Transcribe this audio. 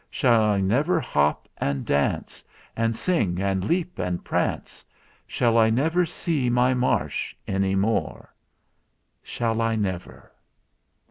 Shall I never hop and dance And sing and leap and prance? Shall I never see my Marsh any more? "Shall I never